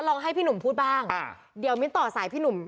ลองให้พี่หนุ่มพูดบ้างเดี๋ยวมิ้นต่อสายพี่หนุ่ม